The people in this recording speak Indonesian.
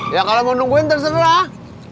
ya kalau mau nungguin terserah